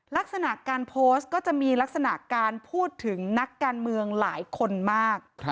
ลักษณะการโพสต์ก็จะมีลักษณะการพูดถึงนักการเมืองหลายคนมาก